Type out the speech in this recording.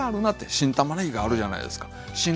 新ごぼうがあるじゃないですか。